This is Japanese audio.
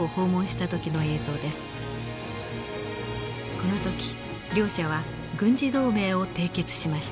この時両者は軍事同盟を締結しました。